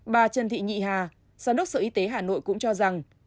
bà trần thị nhị hà giám đốc sở y tế hà nội cũng cho rằng